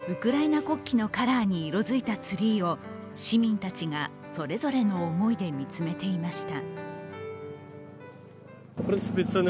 街なかでは、発電機でウクライナ国旗のカラーに色づいたツリーを市民たちが、それぞれの思いで見つめていました。